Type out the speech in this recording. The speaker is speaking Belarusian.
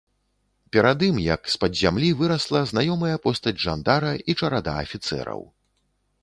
Перад ім, як з-пад зямлі, вырасла знаёмая постаць жандара і чарада афіцэраў.